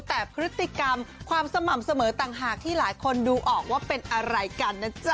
แต่พฤติกรรมความสม่ำเสมอต่างหากที่หลายคนดูออกว่าเป็นอะไรกันนะจ๊ะ